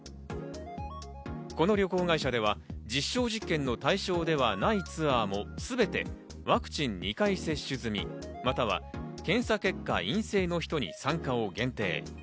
この旅行会社では実証実験の対象ではないツアーも全てワクチン２回接種済み、または検査結果が陰性の人に参加を限定。